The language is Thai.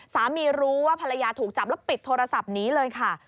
สามีรู้ว่าภรรยาถูกจับแล้วปิดโทรศัพท์นี้เลยค่ะ